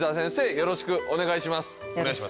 よろしくお願いします